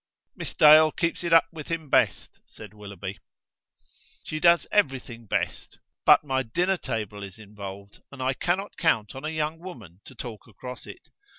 "Miss Dale keeps it up with him best," said Willoughby. "She does everything best! But my dinner table is involved, and I cannot count on a young woman to talk across it.